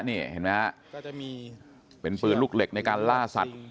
นี่เห็นไหมฮะเป็นปืนลูกเหล็กในการล่าสัตว์